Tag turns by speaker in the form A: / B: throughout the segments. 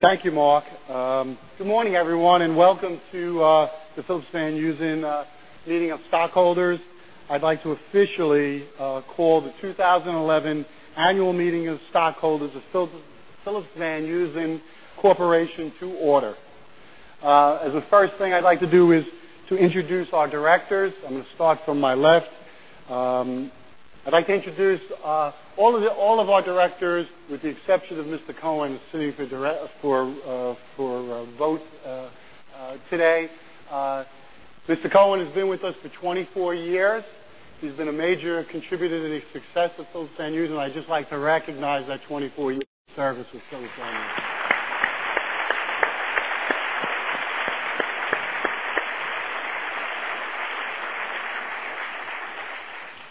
A: Thank you, Mark. Good morning, everyone, and welcome to the Philips-Van Heusen Meeting of Stockholders. I'd like to officially call the 2011 Annual Meeting of Stockholders of Philips-Van Heusen Corporation to order. The first thing I'd like to do is to introduce our directors. I'm going to start from my left. I'd like to introduce all of our directors, with the exception of Mr. Cohen, who is sitting for votes today. Mr. Cohen has been with us for 24 years. He's been a major contributor to the success of Philips-Van Heusen, and I'd just like to recognize that 24 years of service with Philis-Van Heusen.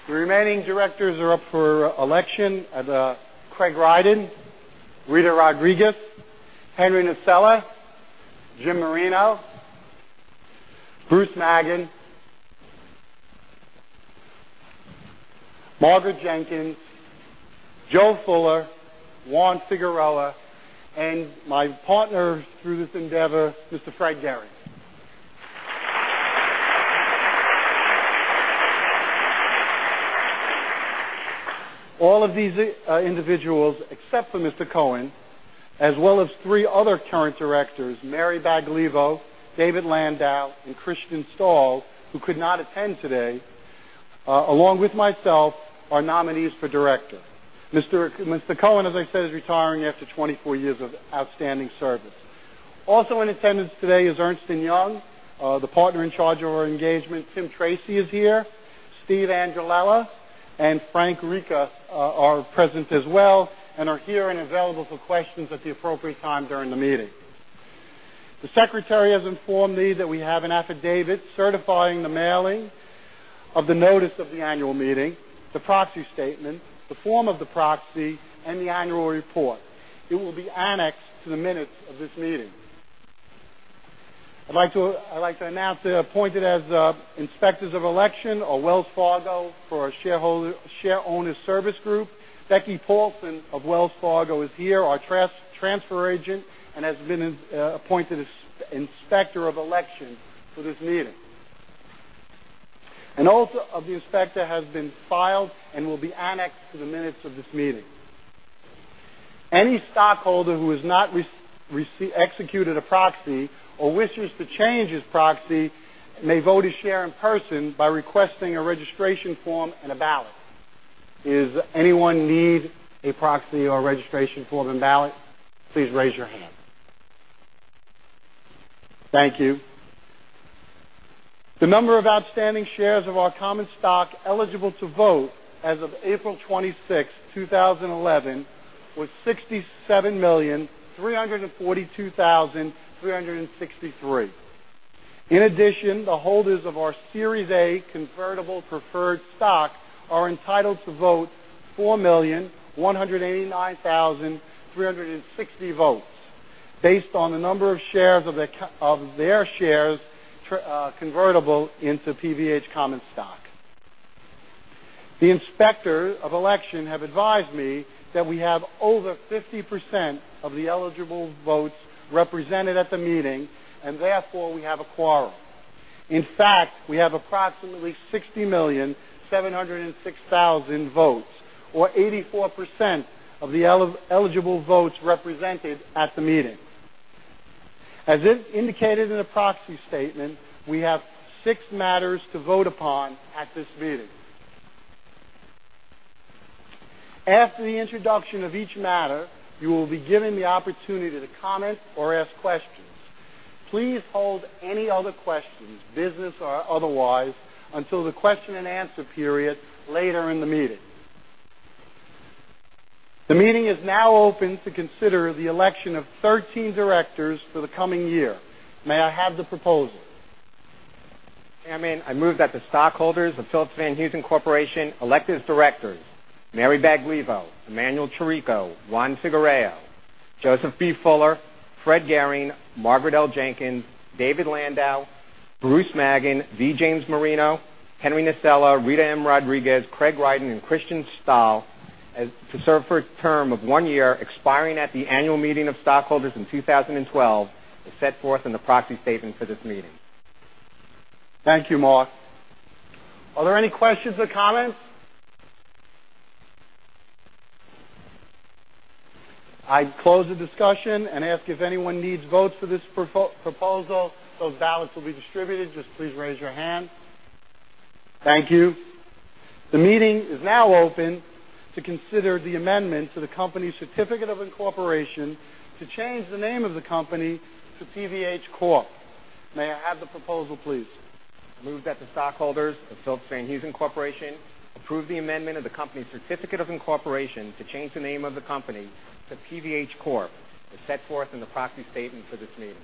A: The remaining directors are up for election: Craig Ryden, Rita Rodriguez, Henry Nocella, Jim Marino, Bruce Magan, Margaret Jenkins, Joe Fuller, Juan Figueroa, and my partner through this endeavor, Mr. Fred Gehring. All of these individuals, except for Mr. Cohen, as well as three other current directors, Mary Baglivo, David Landau, and Christian Stahl, who could not attend today, along with myself, are nominees for director. Mr. Cohen, as I said, is retiring after 24 years of outstanding service. Also in attendance today is Ernst & Young, the partner in charge of our engagement. Tim Tracy is here. Steve Angelella and Frank Rica are present as well and are here and available for questions at the appropriate time during the meeting. The secretary has informed me that we have an affidavit certifying the mailing of the notice of the annual meeting, the proxy statement, the form of the proxy, and the annual report. It will be annexed to the minutes of this meeting. I'd like to announce the appointed as inspectors of election are Wells Fargo for our shareholder service group. Becky Paulson of Wells Fargo is here, our transfer agent, and has been appointed as inspector of election for this meeting. A note of the inspector has been filed and will be annexed to the minutes of this meeting. Any stockholder who has not executed a proxy or wishes to change his proxy may vote a share in person by requesting a registration form and a ballot. Does anyone need a proxy or registration form and ballot? Please raise your hand. Thank you. The number of outstanding shares of our common stock eligible to vote as of April 26th, 2011 was 67,342,363. In addition, the holders of our Series A convertible preferred stock are entitled to vote 4,189,360 votes based on the number of shares of their shares convertible into PVH common stock. The inspectors of election have advised me that we have over 50% of the eligible votes represented at the meeting, and therefore we have a quorum. In fact, we have approximately 60,706,000 votes, or 84% of the eligible votes represented at the meeting. As indicated in the proxy statement, we have six matters to vote upon at this meeting. After the introduction of each matter, you will be given the opportunity to comment or ask questions. Please hold any other questions, business or otherwise, until the question and answer period later in the meeting. The meeting is now open to consider the election of 13 directors for the coming year. May I have the proposal?
B: I move that the stockholders of Philips-Van Heusen Corporation elect as directors: Mary Baglivo, Emanuel Chirico, Juan Figueroa, Joseph V. Fuller, Fred Gehring, Margaret L. Jenkins, David Landau, Bruce Magan, V. James Marino, Henry Nocella, Rita Rodriguez, Craig Ryden, and Christian Stahl, to serve for a term of one year expiring at the annual meeting of stockholders in 2012, as set forth in the proxy statement for this meeting.
A: Thank you, Mark. Are there any questions or comments? I'd close the discussion and ask if anyone needs votes for this proposal. Those ballots will be distributed. Just please raise your hand. Thank you. The meeting is now open to consider the amendments to the company's certificate of incorporation to change the name of the company to PVH Corp. May I have the proposal, please?
B: I move that the stockholders of Phillips-Van Heusen Corporation approve the amendment of the company's certificate of incorporation to change the name of the company to PVH Corp., as set forth in the proxy statement for this meeting.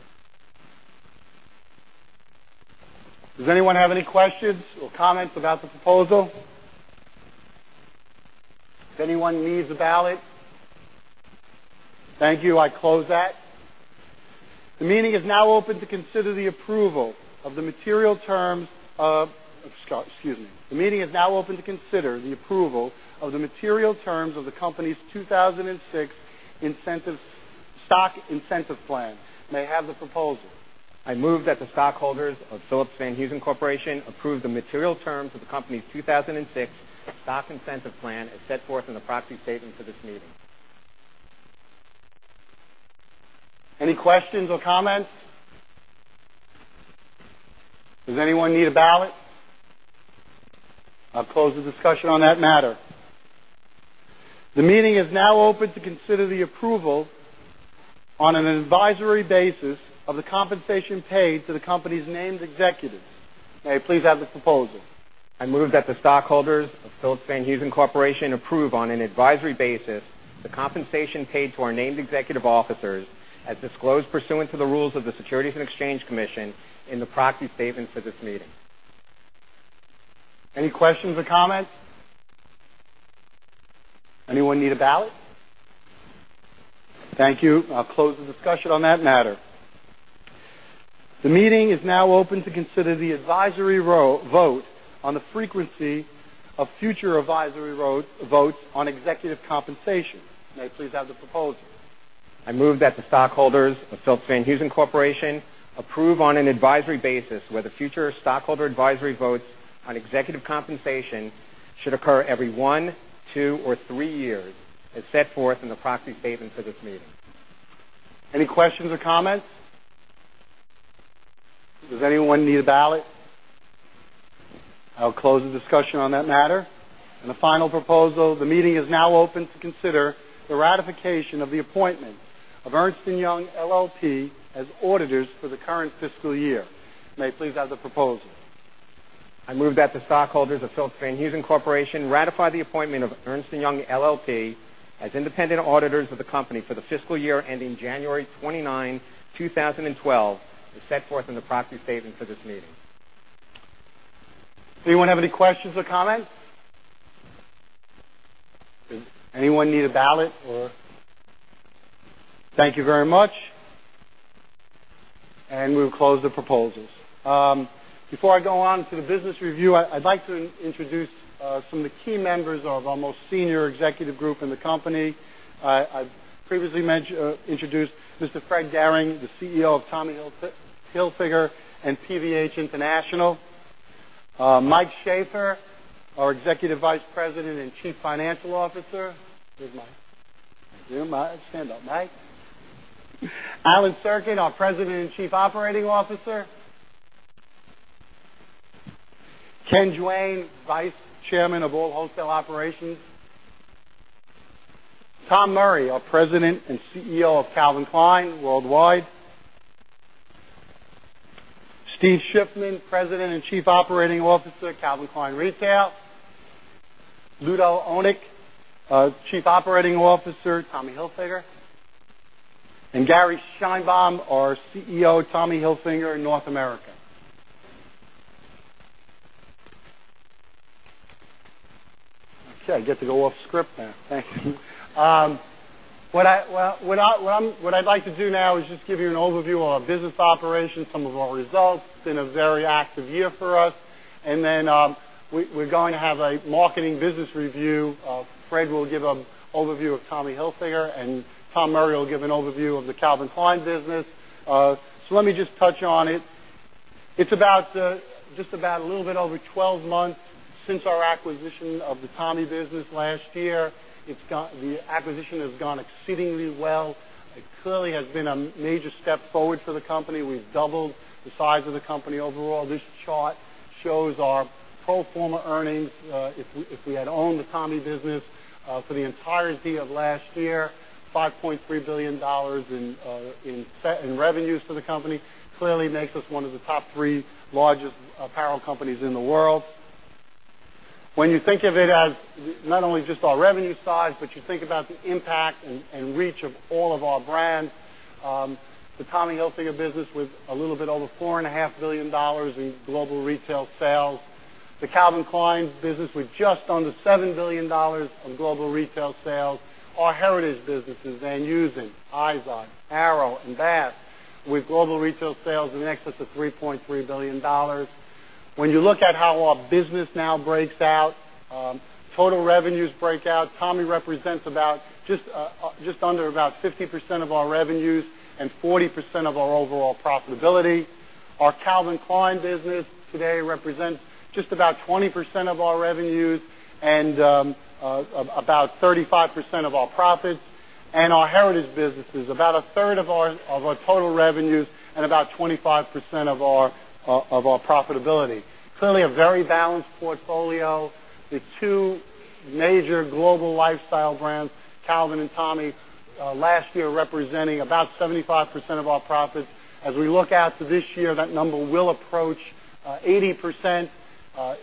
A: Does anyone have any questions or comments about the proposal? Does anyone need a ballot? Thank you. I close that. The meeting is now open to consider the approval of the material terms of the company's 2006 Stock Incentive Plan. May I have the proposal?
B: I move that the stockholders of Philips-Van Heusen Corporation approve the material terms of the company's 2006 Stock Incentive Plan, as set forth in the proxy statement for this meeting.
A: Any questions or comments? Does anyone need a ballot? I'll close the discussion on that matter. The meeting is now open to consider the approval on an advisory basis of the compensation paid to the company's named executives. May I please have the proposal?
B: I move that the stockholders of Philips-Van Heusen Corporation approve on an advisory basis the compensation paid to our named executive officers as disclosed pursuant to the rules of the Securities and Exchange Commission in the proxy statement for this meeting.
A: Any questions or comments? Anyone need a ballot? Thank you. I'll close the discussion on that matter. The meeting is now open to consider the advisory vote on the frequency of future advisory votes on executive compensation. May I please have the proposal?
B: I move that the stockholders of Philips-Van Heusen Corporation approve on an advisory basis whether future stockholder advisory votes on executive compensation should occur every one, two, or three years, as set forth in the proxy statement for this meeting.
A: Any questions or comments? Does anyone need a ballot? I'll close the discussion on that matter. The final proposal, the meeting is now open to consider the ratification of the appointment of Ernst & Young LLP as auditors for the current fiscal year. May I please have the proposal?
B: I move that the stockholders of Philips-Van Heusen Corporation ratify the appointment of Ernst & Young LLP as independent auditors of the company for the fiscal year ending January 29, 2012, as set forth in the proxy statement for this meeting.
A: Anyone have any questions or comments? Does anyone need a ballot or... Thank you very much. We'll close the proposals. Before I go on to the business review, I'd like to introduce some of the key members of our most senior executive group in the company. I previously introduced Mr. Fred Gehring, the CEO of Tommy Hilfiger and PVH International. Mike Shaffer, our Executive Vice President and Chief Financial Officer. There's Mike. Thank you. I'll stand up. Mike? Alan Serkin, our President and Chief Operating Officer. Ken Duane, Vice Chairman of all Wholesale Operations. Tom Murry, our President and CEO of Calvin Klein Worldwide. Steve Shiffman, President and Chief Operating Officer at Calvin Klein Retail. Ludo Onnink, Chief Operating Officer at Tommy Hilfiger. And Gary Sheinbaum, our CEO of Tommy Hilfiger in North America. Okay, I get to go off script now. Thank you. What I'd like to do now is just give you an overview of our business operations, some of our results. It's been a very active year for us. We're going to have a marketing business review. Fred will give an overview of Tommy Hilfiger and Tom Murry will give an overview of the Calvin Klein business. Let me just touch on it. It's just about a little bit over 12 months since our acquisition of the Tommy business last year. The acquisition has gone exceedingly well. It clearly has been a major step forward for the company. We've doubled the size of the company overall. This chart shows our total former earnings. If we had owned the Tommy business for the entirety of last year, $5.3 billion in revenues for the company clearly makes us one of the top three largest apparel companies in the world. When you think of it as not only just our revenue size, but you think about the impact and reach of all of our brands, the Tommy Hilfiger business with a little bit over $4.5 billion in global retail sales, the Calvin Klein business with just under $7 billion in global retail sales, our heritage businesses, Van Heusen, IZOD, Arrow, and Bass, with global retail sales in excess of $3.3 billion. When you look at how our business now breaks out, total revenues break out, Tommy represents just under about 50% of our revenues and 40% of our overall profitability. Our Calvin Klein business today represents just about 20% of our revenues and about 35% of our profits. Our heritage businesses, about a third of our total revenues and about 25% of our profitability. Clearly, a very balanced portfolio. The two major global lifestyle brands, Calvin and Tommy, last year representing about 75% of our profits. As we look out to this year, that number will approach 80%.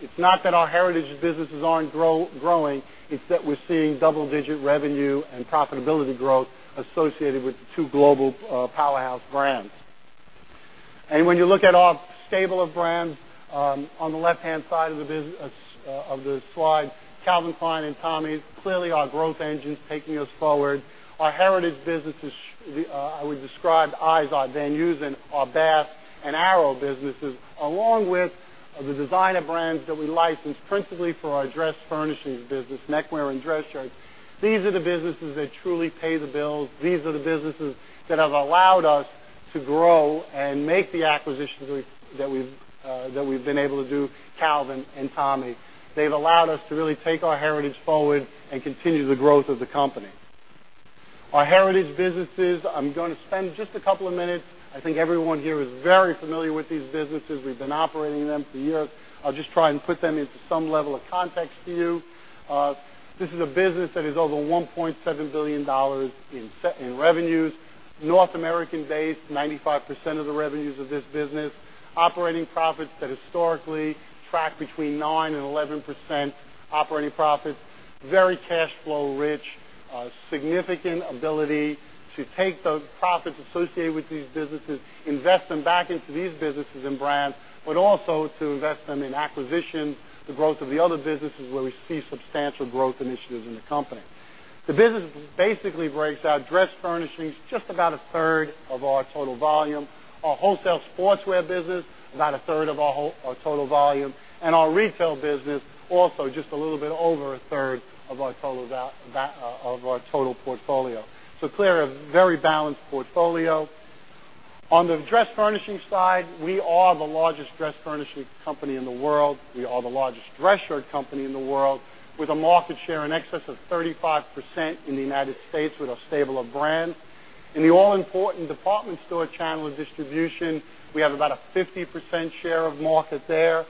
A: It's not that our heritage businesses aren't growing, it's that we're seeing double-digit revenue and profitability growth associated with the two global powerhouse brands. When you look at our stable of brands on the left-hand side of the slides, Calvin Klein and Tommy clearly are growth engines taking us forward. Our heritage businesses, I would describe IZOD, Van Heusen, our Bass and Arrow businesses, along with the designer brands that we license principally for our dress furnishings business, neckwear and dress shirts. These are the businesses that truly pay the bills. These are the businesses that have allowed us to grow and make the acquisitions that we've been able to do, Calvin and Tommy. They've allowed us to really take our heritage forward and continue the growth of the company. Our heritage businesses, I'm going to spend just a couple of minutes. I think everyone here is very familiar with these businesses. We've been operating them for years. I'll just try and put them into some level of context to you. This is a business that is over $1.7 billion in revenues. North American-based, 95% of the revenues of this business. Operating profits that historically track between 9% and 11% operating profits. Very cash-flow-rich, significant ability to take the profits associated with these businesses, invest them back into these businesses and brands, but also to invest them in acquisition, the growth of the other businesses where we see substantial growth initiatives in the company. The business basically breaks out dress furnishings, just about a third of our total volume. Our wholesale sportswear business, about a third of our total volume. Our retail business, also just a little bit over a third of our total portfolio. Clearly, a very balanced portfolio. On the dress furnishing side, we are the largest dress furnishing company in the world. We are the largest dress shirt company in the world, with a market share in excess of 35% in the United States with our stable of brands. In the all-important department store channel of distribution, we have about a 50% share of market there.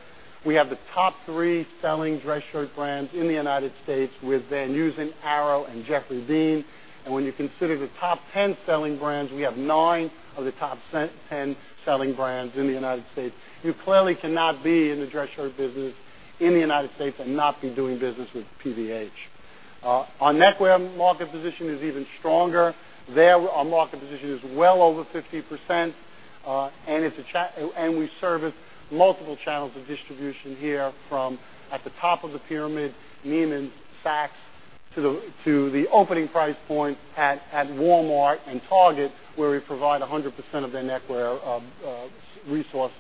A: We have the top three selling dress shirt brands in the United States with Van Heusen, Arrow, and Geoffrey Beene. When you consider the top 10 selling brands, we have nine of the top 10 selling brands in the United States. You clearly cannot be in the dress shirt business in the United States and not be doing business with PVH. Our neckwear market position is even stronger. There, our market position is well over 50%. We service multiple channels of distribution here from, at the top of the pyramid, Neiman Saks, to the opening price point at Walmart and Target, where we provide 100% of their neckwear resource.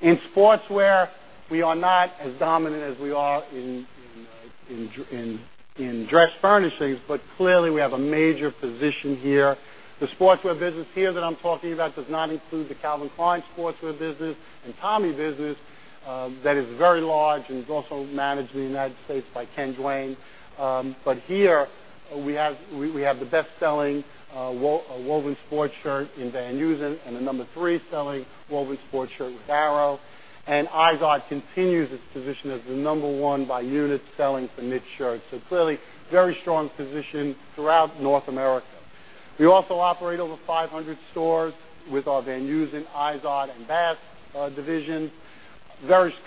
A: In sportswear, we are not as dominant as we are in dress furnishings, but clearly we have a major position here. The sportswear business here that I'm talking about does not include the Calvin Klein sportswear business and Tommy business. That is very large and is also managed in the United States by Ken Duane. Here we have the best-selling woven sports shirt in Van Heusen and the number three selling woven sports shirt in Arrow. IZOD continues its position as the number one by unit selling for knit shirts. Clearly, very strong position throughout North America. We also operate over 500 stores with our Van Heusen, IZOD, and Bass divisions.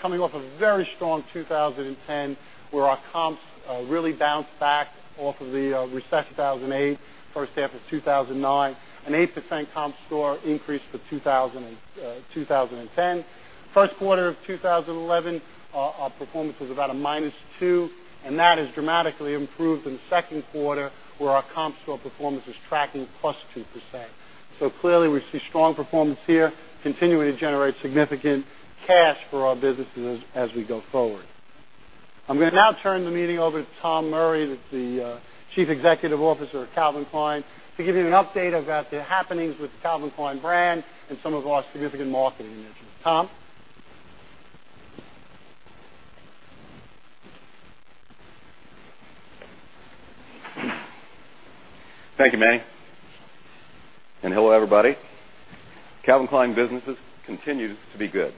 A: Coming off a very strong 2010 where our comps really bounced back off of the recessive 2008, first half of 2009, an 8% comp store increase for 2010. First quarter of 2011, our performance was about a -2%, and that has dramatically improved in the second quarter where our comp store performance is tracking +2%. Clearly we see strong performance here, continuing to generate significant cash for our businesses as we go forward. I'm going to now turn the meeting over to Tom Murry, the Chief Executive Officer at Calvin Klein, to give you an update about the happenings with the Calvin Klein brand and some of our significant marketing initiatives. Tom?
C: Thank you, Manny. Hello, everybody. Calvin Klein businesses continue to be good.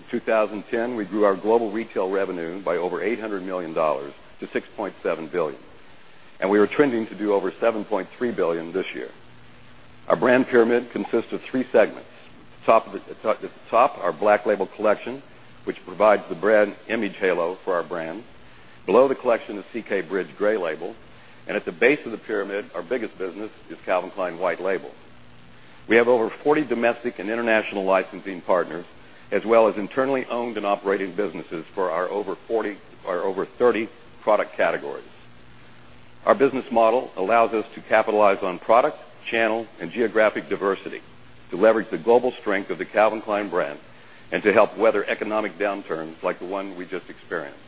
C: In 2010, we grew our global retail revenue by over $800 million to $6.7 billion. We are trending to do over $7.3 billion this year. Our brand pyramid consists of three segments. At the top, our Black Label collection provides the brand image halo for our brand. Below the collection is CK Bridge Gray Label. At the base of the pyramid, our biggest business is Calvin Klein White Label. We have over 40 domestic and international licensing partners, as well as internally owned and operating businesses for our over 30 product categories. Our business model allows us to capitalize on product, channel, and geographic diversity to leverage the global strength of the Calvin Klein brand and to help weather economic downturns like the one we just experienced.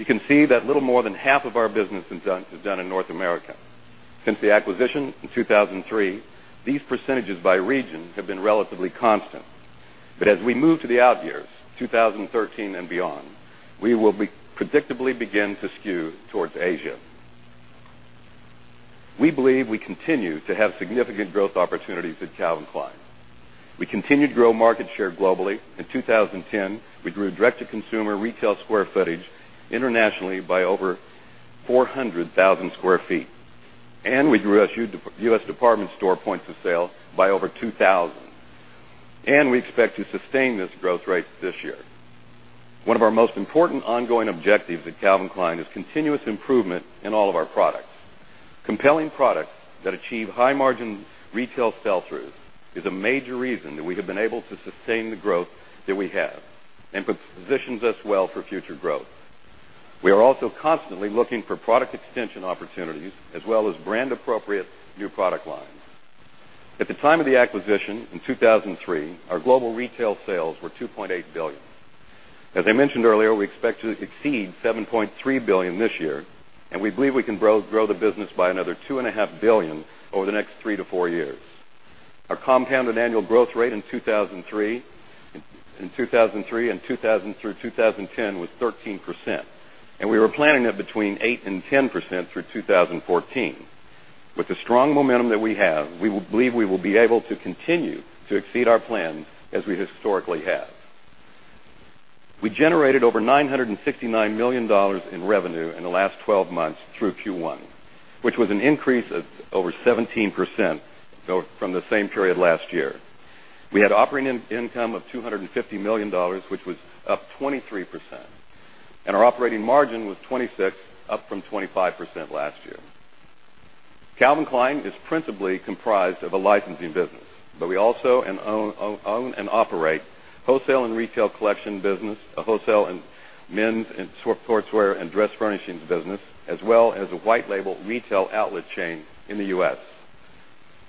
C: You can see that a little more than half of our business is done in North America. Since the acquisition in 2003, these percentages by region have been relatively constant. As we move to the out years, 2013 and beyond, we will predictably begin to skew towards Asia. We believe we continue to have significant growth opportunities at Calvin Klein. We continue to grow market share globally. In 2010, we grew direct-to-consumer retail square footage internationally by over 400,000 sq ft. We grew our U.S. department store points of sale by over 2,000. We expect to sustain those growth rates this year. One of our most important ongoing objectives at Calvin Klein is continuous improvement in all of our products. Compelling products that achieve high-margin retail sell-throughs is a major reason that we have been able to sustain the growth that we have and positions us well for future growth. We are also constantly looking for product extension opportunities, as well as brand-appropriate new product lines. At the time of the acquisition in 2003, our global retail sales were $2.8 billion. As I mentioned earlier, we expect to exceed $7.3 billion this year. We believe we can grow the business by another $2.5 billion over the next three to four years. Our compounded annual growth rate in 2003 and 2010 was 13%. We were planning at between 8% and 10% through 2014. With the strong momentum that we have, we believe we will be able to continue to exceed our plans as we historically have. We generated over $969 million in revenue in the last 12 months through Q1, which was an increase of over 17% from the same period last year. We had operating income of $250 million, which was up 23%. Our operating margin was 26%, up from 25% last year. Calvin Klein is principally comprised of a licensing business, but we also own and operate a wholesale and retail collection business, a wholesaleMen's and sportswear and dress furnishings business, as well as a White Label retail outlet chain in the U.S.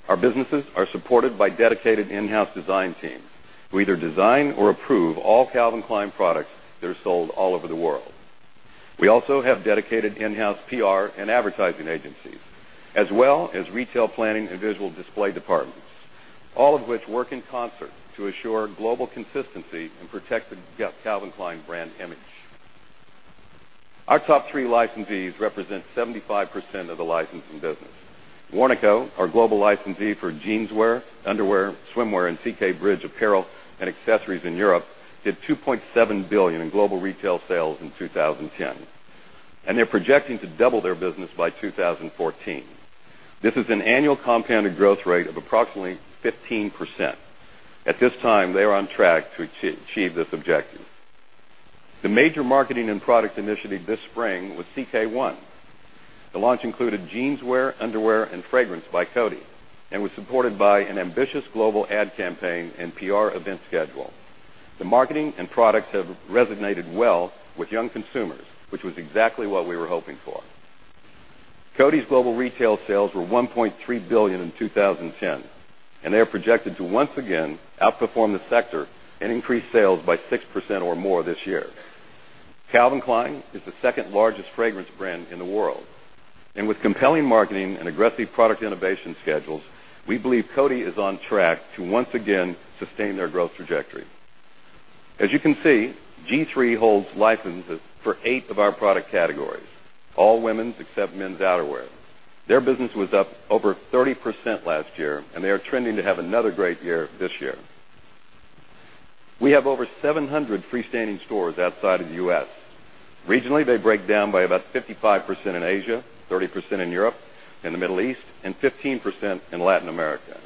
C: Our businesses are supported by dedicated in-house design teams who either design or approve all Calvin Klein products that are sold all over the world. We also have dedicated in-house PR and advertising agencies, as well as retail planning and visual display departments, all of which work in concert to assure global consistency and protect the Calvin Klein brand image. Our top three licensees represent 75% of the licensing business. Warnaco, our global licensee for jeanswear, underwear, swimwear, and CK Bridge apparel and accessories in Europe, did $2.7 billion in global retail sales in 2010. They are projecting to double their business by 2014. This is an annual compounded growth rate of approximately 15%. At this time, they are on track to achieve this objective. The major marketing and product initiative this spring was CK One. The launch included jeanswear, underwear, and fragrance by Coty, and was supported by an ambitious global ad campaign and PR event schedule. The marketing and products have resonated well with young consumers, which was exactly what we were hoping for. Coty's global retail sales were $1.3 billion in 2010. They are projected to once again outperform the sector and increase sales by 6% or more this year. Calvin Klein is the second largest fragrance brand in the world. With compelling marketing and aggressive product innovation schedules, we believe Coty is on track to once again sustain their growth trajectory. As you can see, G3 holds licenses for eight of our product categories, all women's exceptMen's outerwear. Their business was up over 30% last year, and they are trending to have another great year this year. We have over 700 freestanding stores outside of the U.S. Regionally, they break down by about 55% in Asia, 30% in Europe and the Middle East, and 15% in Latin America.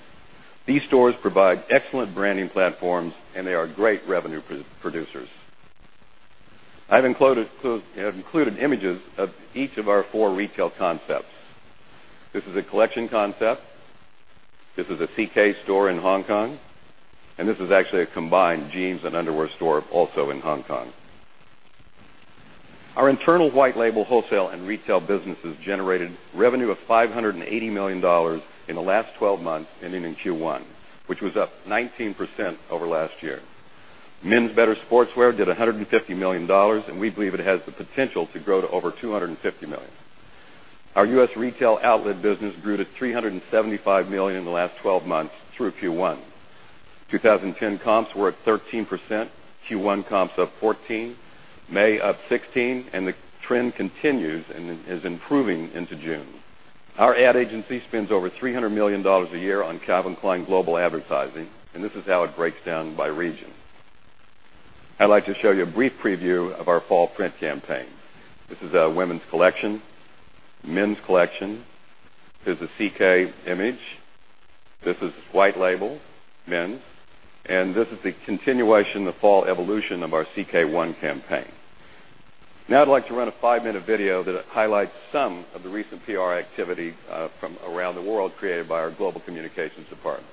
C: These stores provide excellent branding platforms, and they are great revenue producers. I've included images of each of our four retail concepts. This is a collection concept. This is a CK store in Hong Kong. This is actually a combined jeans and underwear store also in Hong Kong. Our internal White Label wholesale and retail businesses generated revenue of $580 million in the last 12 months ending in Q1, which was up 19% over last year. Men's Better Sportswear did $150 million, and we believe it has the potential to grow to over $250 million. Our U.S. retail outlet business grew to $375 million in the last 12 months through Q1. 2010 comps were at 13%, Q1 comps up 14%, May up 16%, and the trend continues and is improving into June. Our ad agency spends over $300 million a year on Calvin Klein global advertising, and this is how it breaks down by region. I'd like to show you a brief preview of our fall print campaign. This is a Women's collection, Men's collection. Here's a CK image. This is White Label, Men's. This is a continuation of the fall evolution of our CK One campaign. Now I'd like to run a five-minute video that highlights some of the recent PR activity from around the world created by our global communications department.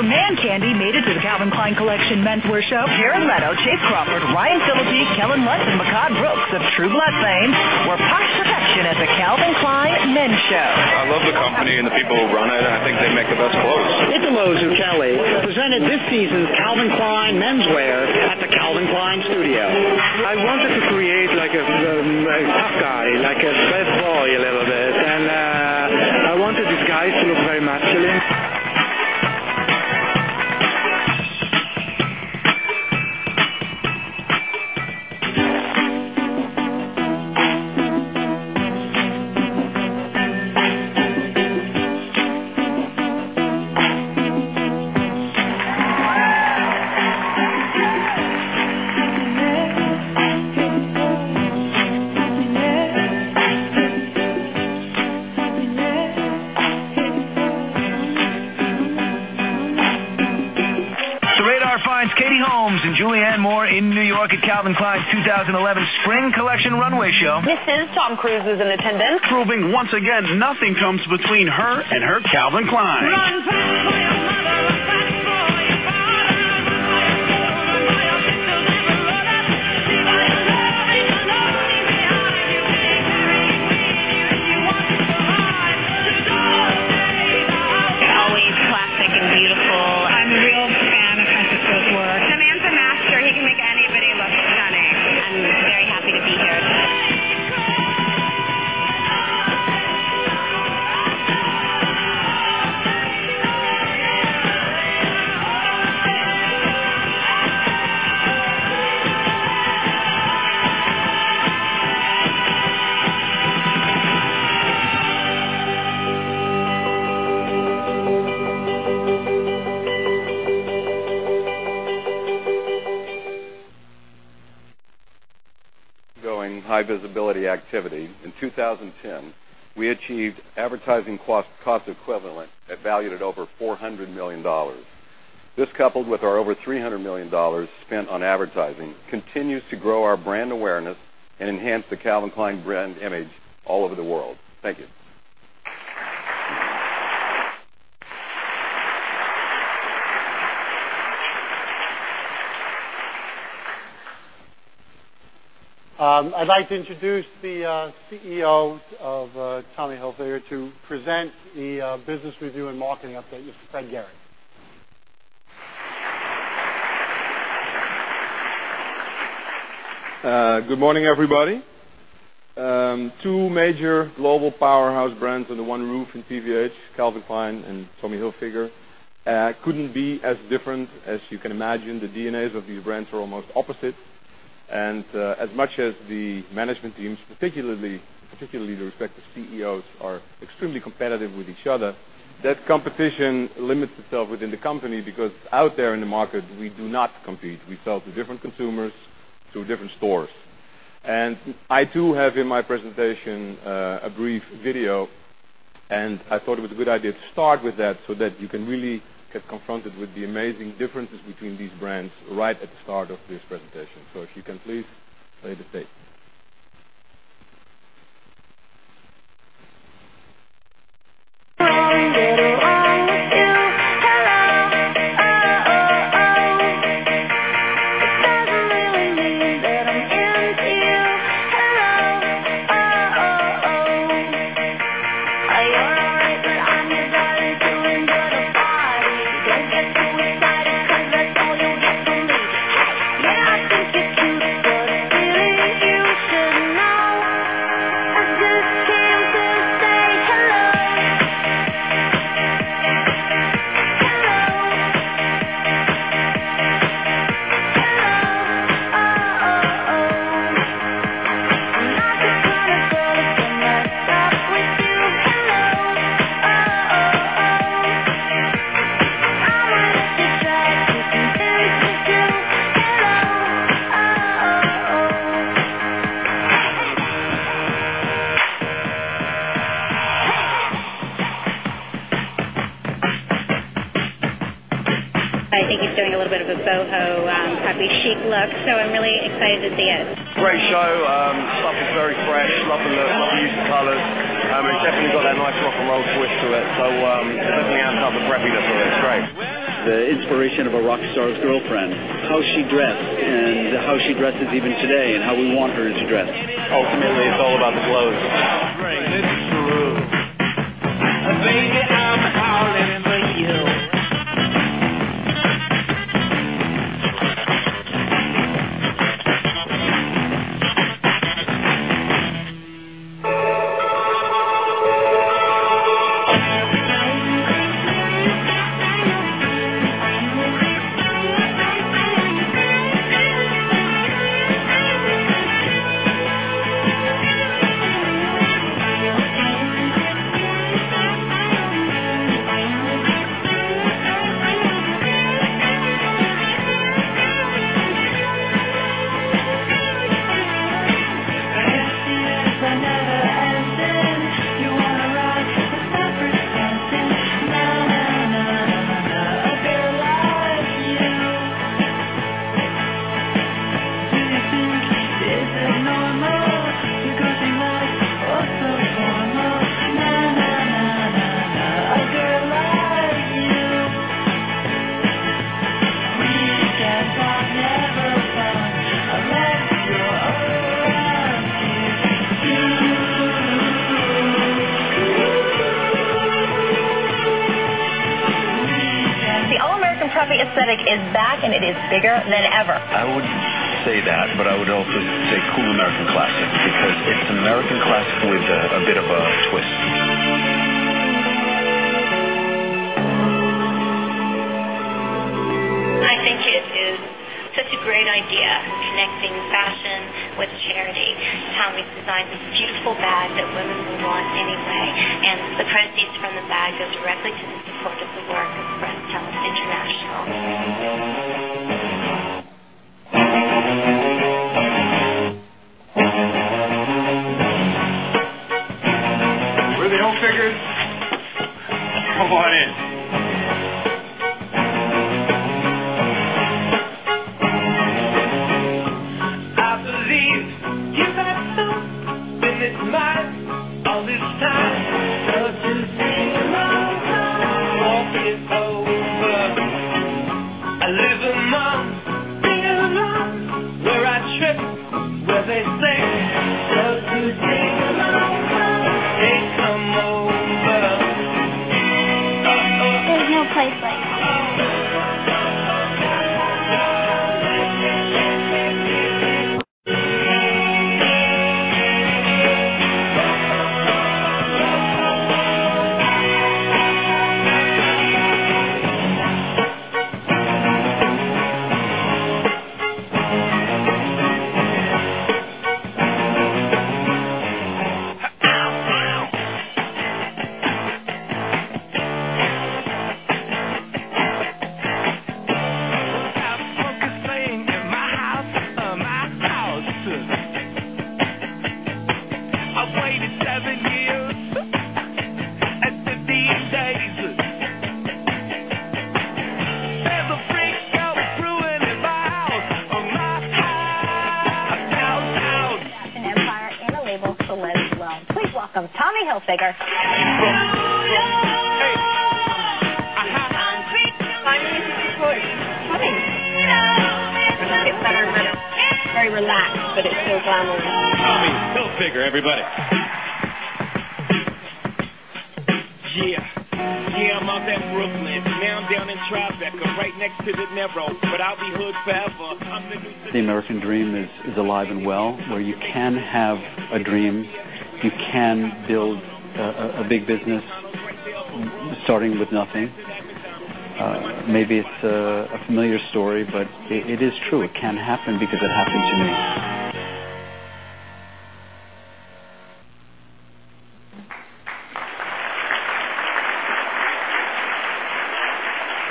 D: Some major man candy made it to the Calvin Klein Collection Men's wear show here in Meadow. Chace Crawford, Ryan Phillippe, Kellan Lutz, and Mehcad Brooks of True Blood, were past production at the Calvin Klein Men's show. I love the company and the people who run it, and I think they make the best clothes. Chu and Avery Baker presented this season's Calvin KleinMen's wear at the Calvin Klein studio. I wanted to create like a tough guy, like a bad boy a little bit. I wanted these guys to look very masculine.
C: Going high visibility activity. In 2010, we achieved advertising cost equivalent valued at over $400 million. This, coupled with our over $300 million spent on advertising, continues to grow our brand awareness and enhance the Calvin Klein brand image all over the world. Thank you.
A: I'd like to introduce the CEO of Tommy Hilfiger to present the business review and marketing update, Mr. Fred Gehring.
E: Good morning, everybody. Two major global powerhouse brands under one roof in PVH, Calvin Klein and Tommy Hilfiger, couldn't be as different as you can imagine. The DNAs of these brands are almost opposite. As much as the management teams, particularly the respective CEOs, are extremely competitive with each other, that competition limits itself within the company because out there in the market, we do not compete. We sell to different consumers through different stores. I, too, have in my presentation a brief video, and I thought it was a good idea to start with that so that you can really get confronted with the amazing differences between these brands right at the start of this presentation. If you can please play the tape.
D: I think he's doing a little bit of a boho preppy chic look, so I'm really excited to see it. Great show. Something very fresh. Love the look. The use of colors. It's definitely got that nice rock and roll twist to it. It definitely adds up the preppiness on it. It's great. The inspiration of a rock star's girlfriend, how she dressed and how she dresses even today, and how we want her to dress. Ultimately, it's all about the clothes. devotee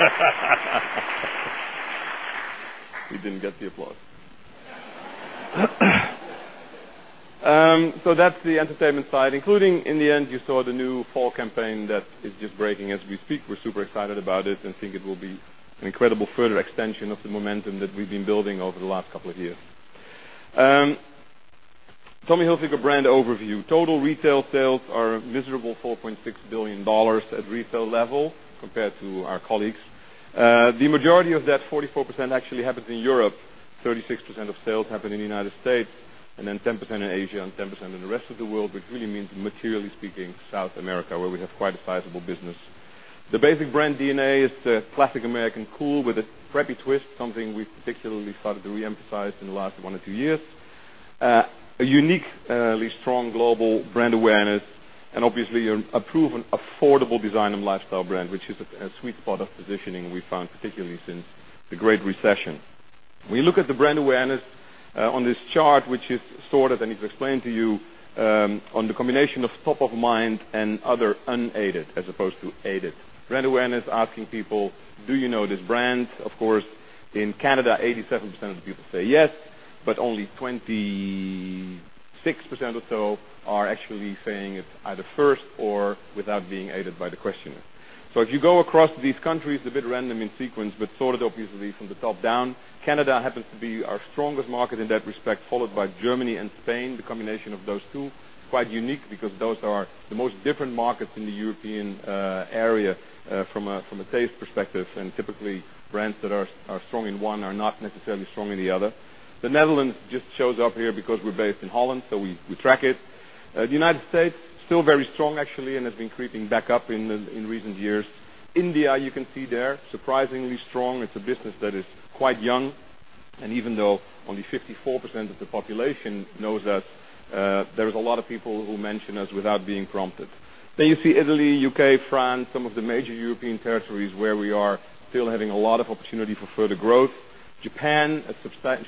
D: of the brand.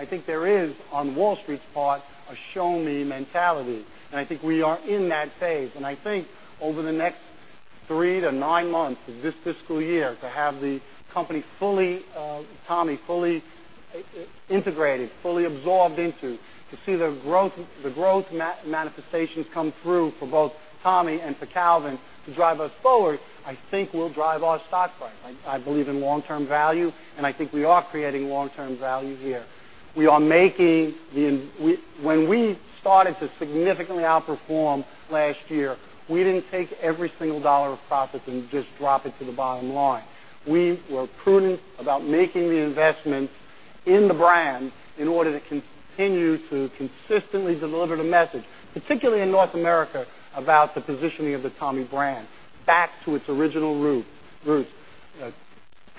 D: I believe in long-term value, and I think we are creating long-term value here.
A: When we started to significantly outperform last year, we didn't take every single dollar of profit and just drop it to the bottom line. We were prudent about making the investments in the brand in order to continue to consistently deliver the message. Particularly In North America, about the positioning of the Tommy brand back to its original roots,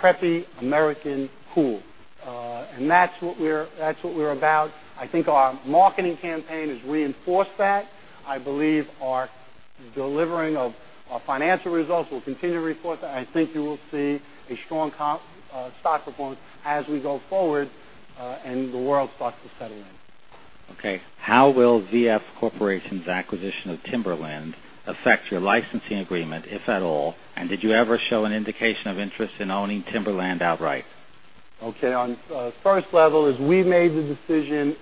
A: preppy American cool. That's what we're about. I think our marketing campaign has reinforced that. I believe our delivering of our financial results will continue to reinforce that. I think you will see a strong stock performance as we go forward and the world starts to settle in.
F: Okay. How will VF Corporation's acquisition of Timberland affect your licensing agreement, if at all, and did you ever show an indication of interest in owning Timberland outright?
A: Okay. On the first level is we made the decision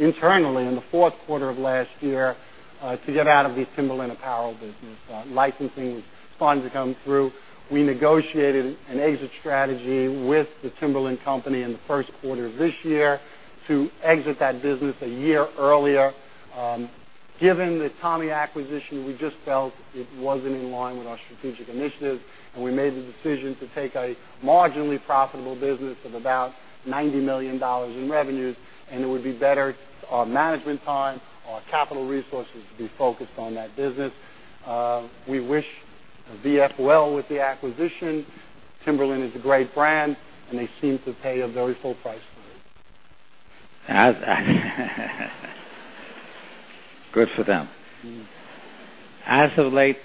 A: internally in the fourth quarter of last year to get out of the Timberland apparel business. Licensing funds had come through. We negotiated an exit strategy with the Timberland company in the first quarter of this year to exit that business a year earlier. Given the Tommy acquisition, we just felt it wasn't in line with our strategic initiatives, and we made the decision to take a marginally profitable business of about $90 million in revenues, and it would be better for our management time and our capital resources to be focused on that business. We wish VF well with the acquisition. Timberland is a great brand, and they seem to pay a very full price for it.
F: Good for them. As of late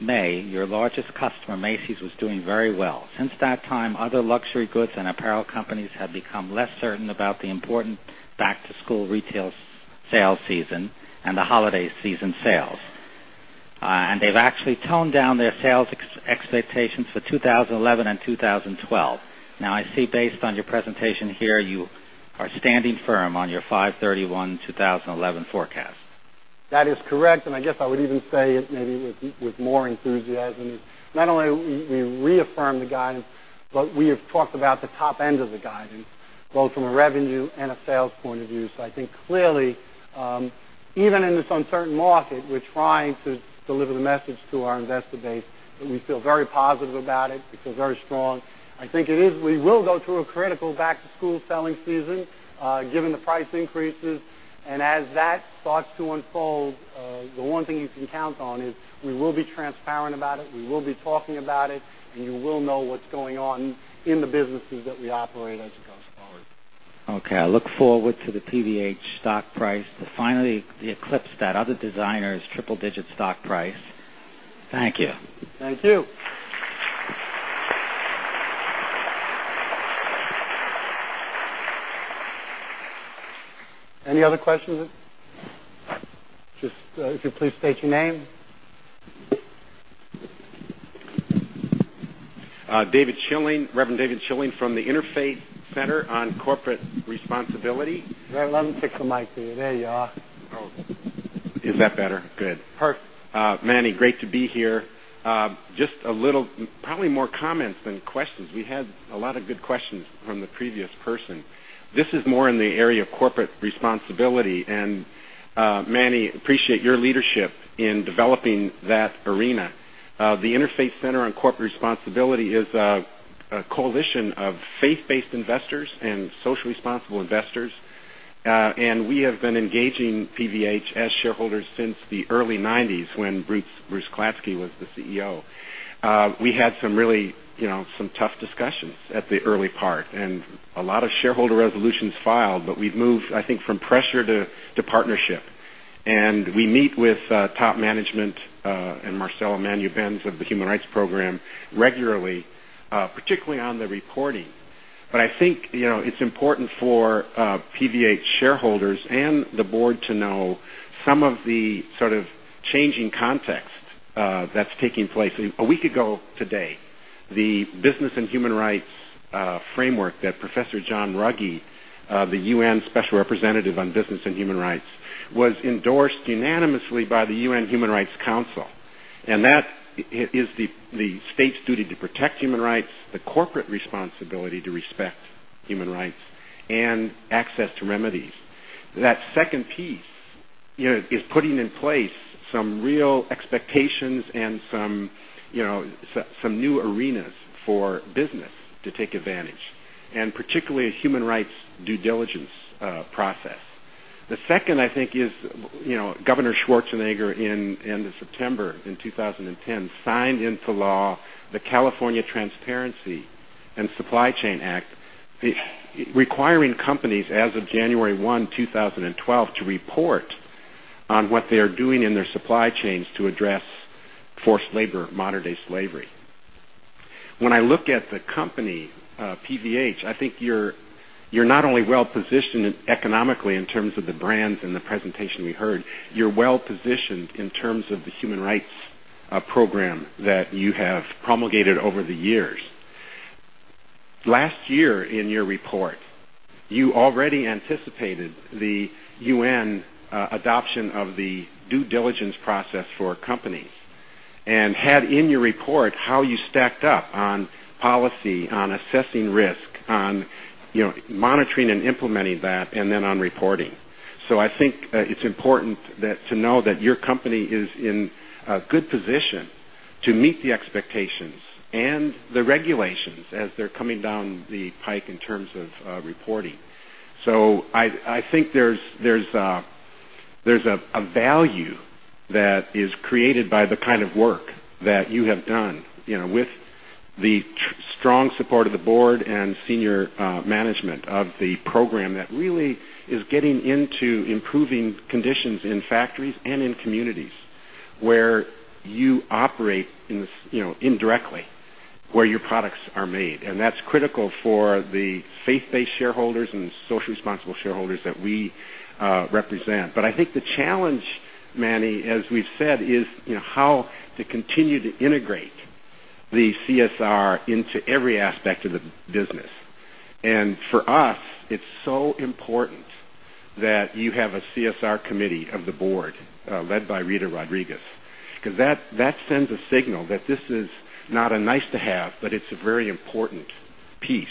F: May, your largest customer, Macy's, was doing very well. Since that time, other luxury goods and apparel companies have become less certain about the important back-to-school retail sales season and the holiday season sales. They have actually toned down their sales expectations for 2011 and 2012. Now, I see based on your presentation here you are standing firm on your 5/31/2011 forecast.
A: That is correct, and I guess I would even say it maybe with more enthusiasm. Not only have we reaffirmed the guidance, but we have talked about the top end of the guidance, both from a revenue and a sales point of view. I think clearly, even in this uncertain market, we're trying to deliver the message to our investor base that we feel very positive about it. We feel very strong. I think we will go through a critical back-to-school selling season given the price increases. As that starts to unfold, the one thing you can count on is we will be transparent about it, we will be talking about it, and you will know what's going on in the businesses that we operate as it goes forward.
F: Okay. I look forward to the PVH stock price to finally eclipse that other designer's triple-digit stock price. Thank you.
A: Thank you. Any other questions? If you please state your name.
G: Reverend David Schilling from the Interfaith Center on Corporate Responsibility.
A: Let him take the mic there. There you are.
G: Oh, is that better? Good.
A: Perfect.
G: Manny, great to be here. Just a little, probably more comments than questions. We had a lot of good questions from the previous person. This is more in the area of corporate responsibility. Manny, appreciate your leadership in developing that arena. The Interfaith Center on Corporate Responsibility is a coalition of faith-based investors and socially responsible investors. We have been engaging PVH as shareholders since the early 1990s when Bruce Klatzky was the CEO. We had some really, you know, some tough discussions at the early part, and a lot of shareholder resolutions filed, but we've moved, I think, from pressure to partnership. We meet with top management and Marcel Emmanuel Benz of the Human Rights Program regularly, particularly on the reporting. I think, you know, it's important for PVH shareholders and the board to know some of the sort of changing context that's taking place. A week ago today, the Business and Human Rights Framework that Professor John Ruggie, the UN Special Representative on Business and Human Rights, was endorsed unanimously by the UN Human Rights Council. That is the state's duty to protect human rights, the corporate responsibility to respect human rights, and access to remedies. That second piece, you know, is putting in place some real expectations and some, you know, some new arenas for business to take advantage, particularly a human rights due diligence process. The second, I think, is, you know, Governor Schwarzenegger at the end of September in 2010 signed into law the California Transparency and Supply Chain Act, requiring companies as of January 1, 2012, to report on what they are doing in their supply chains to address forced labor, modern-day slavery. When I look at the company, PVH, I think you're not only well-positioned economically in terms of the brands and the presentation we heard, you're well-positioned in terms of the human rights program that you have promulgated over the years. Last year, in your report, you already anticipated the UN adoption of the due diligence process for companies and had in your report how you stacked up on policy, on assessing risk, on, you know, monitoring and implementing that, and then on reporting. I think it's important to know that your company is in a good position to meet the expectations and the regulations as they're coming down the pike in terms of reporting. I think there's a value that is created by the kind of work that you have done, with the strong support of the board and senior management of the program that really is getting into improving conditions in factories and in communities where you operate, indirectly, where your products are made. That's critical for the faith-based shareholders and socially responsible shareholders that we represent. I think the challenge, Manny, as we've said, is how to continue to integrate the CSR into every aspect of the business. For us, it's so important that you have a CSR committee of the board led by Rita Rodriguez because that sends a signal that this is not a nice-to-have, but it's a very important piece.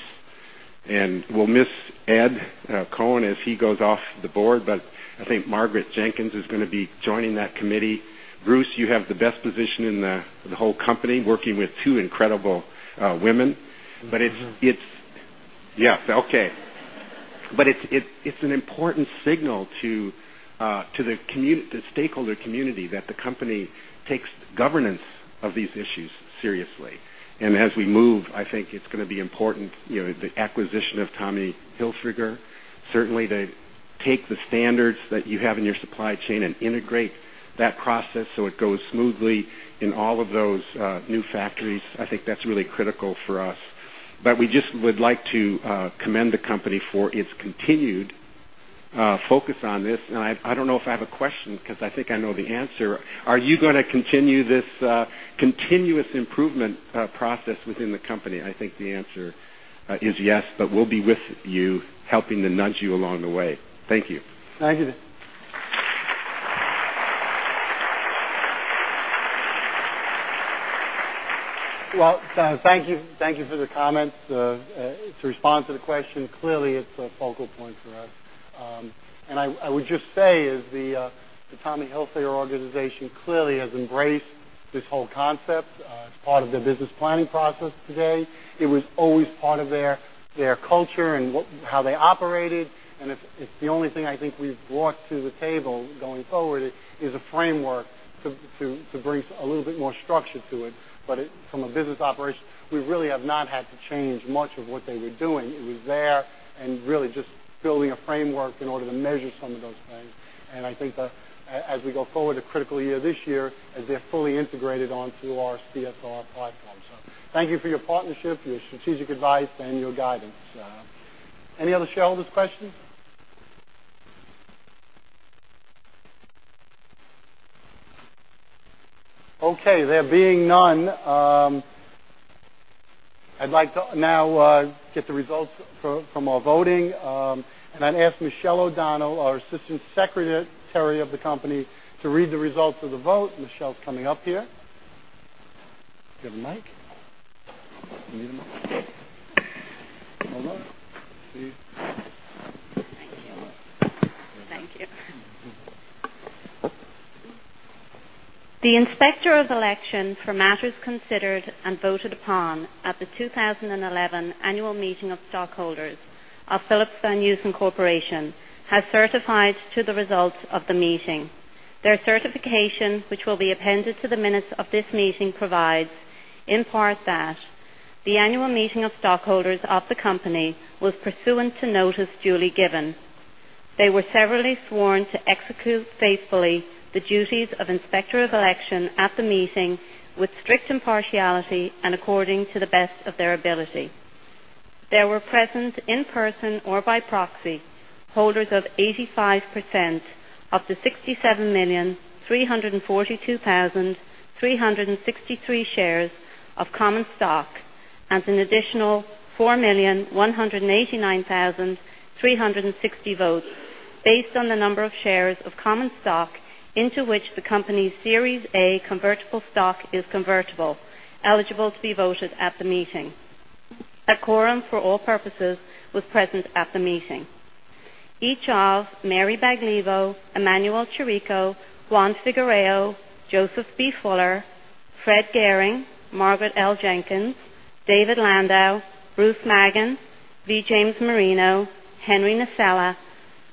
G: We'll miss Ed Cohen as he goes off the board, but I think Margaret Jenkins is going to be joining that committee. Bruce, you have the best position in the whole company working with two incredible women. It's an important signal to the stakeholder community that the company takes governance of these issues seriously. As we move, I think it's going to be important, the acquisition of Tommy Hilfiger certainly to take the standards that you have in your supply chain and integrate that process so it goes smoothly in all of those new factories. I think that's really critical for us. We just would like to commend the company for its continued focus on this. I don't know if I have a question because I think I know the answer. Are you going to continue this continuous improvement process within the company? I think the answer is yes, but we'll be with you helping to nudge you along the way. Thank you.
A: Thank you. Thank you for the comments. To respond to the question, clearly, it's a focal point for us. I would just say as the Tommy Hilfiger organization clearly has embraced this whole concept as part of their business planning process today, it was always part of their culture and how they operated. The only thing I think we've brought to the table going forward is a framework to bring a little bit more structure to it. From a business operation, we really have not had to change much of what they were doing. It was there and really just building a framework in order to measure some of those things. I think as we go forward, the critical year this year, as they're fully integrated onto our CSR pipeline. Thank you for your partnership, your strategic advice, and your guidance. Any other shareholders' questions? Okay. There being none, I'd like to now get the results from our voting. I'd ask Michelle O'Donnell, our Assistant Secretary of the Company, to read the results of the vote. Michelle coming up here. Do you have a mic? You need a mic?
H: The inspector of election for matters considered and voted upon at the 2011 annual meeting of stockholders of Philips-Van Heusen Corporation has certified to the results of the meeting. Their certification, which will be appended to the minutes of this meeting, provides in part that the annual meeting of stockholders of the company was pursuant to notice duly given. They were severally sworn to execute faithfully the duties of inspector of election at the meeting with strict impartiality and according to the best of their ability. There were present in person or by proxy holders of 85% of the 67,342,363 shares of common stock and an additional 4,189,360 votes based on the number of shares of common stock into which the company's Series A convertible stock is convertible, eligible to be voted at the meeting. A quorum for all purposes was present at the meeting. Each of Mary Baglivo, Emanuel Chirico, Juan Figueroa, Joseph B. Fuller, Fred Gehring, Margaret L. Jenkins, David Landau, Bruce Maggin, V. James Marino, Henry Nasella,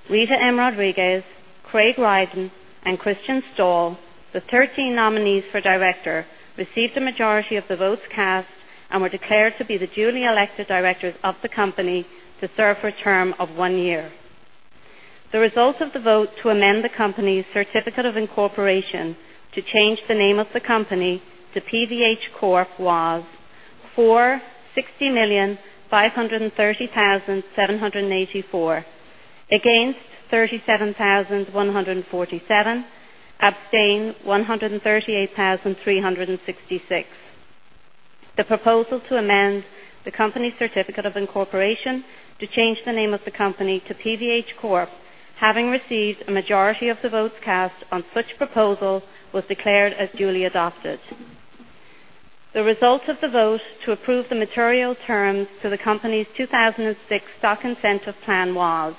H: Rita Rodriguez, Craig Rydin, and Christian Stahl, the 13 nominees for director, received the majority of the votes cast and were declared to be the duly elected directors of the company to serve for a term of one year. The results of the vote to amend the company's certificate of incorporation to change the name of the company to PVH Corp. was for 60,530,784, against 37,147, abstain 138,366. The proposal to amend the company's certificate of incorporation to change the name of the company to PVH Corp., having received a majority of the votes cast on such proposal, was declared as duly adopted. The result of the vote to approve the material terms to the company's 2006 Stock Incentive Plan was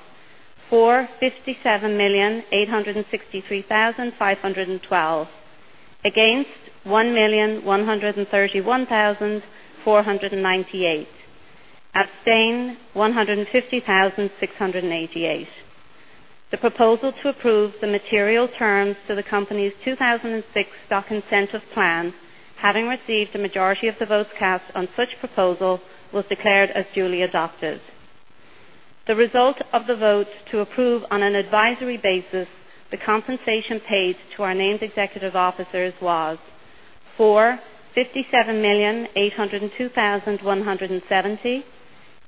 H: for 57,863,512, against 1,131,498, abstain 150,688. The proposal to approve the material terms to the company's 2006 Stock Incentive Plan, having received a majority of the votes cast on such proposal, was declared as duly adopted. The result of the vote to approve on an advisory basis the compensation paid to our named executive officers was for 57,802,170,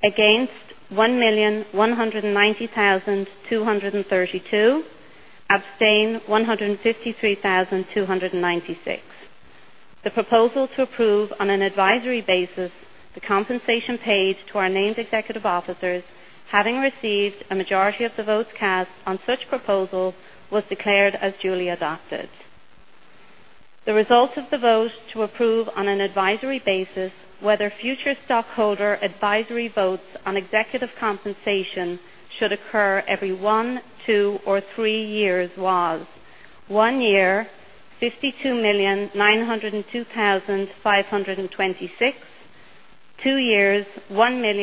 H: against 1,190,232, abstain 153,296. The proposal to approve on an advisory basis the compensation paid to our named executive officers, having received a majority of the votes cast on such proposal, was declared as duly adopted. The result of the vote to approve on an advisory basis whether future stockholder advisory votes on executive compensation should occur every one, two, or three years was one year, 52,902,526; two years, 1,000,.